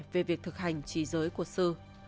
về việc thực hành trí giới của sư